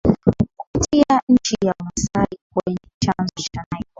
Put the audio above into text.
Kupitia nchi ya Wamasai kwenye chanzo cha Nile